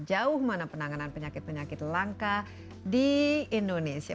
jauh mana penanganan penyakit penyakit langka di indonesia